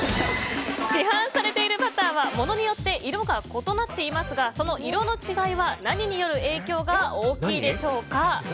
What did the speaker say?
市販されているバターは物によって色が異なっていますがその色の違いは何による影響が大きいでしょうか。